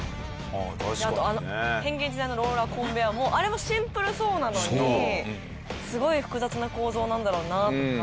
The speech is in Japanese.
あとあの変幻自在のローラーコンベアもあれもシンプルそうなのにすごい複雑な構造なんだろうなとか。